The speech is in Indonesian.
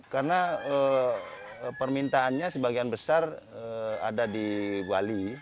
karena permintaannya sebagian besar ada di bali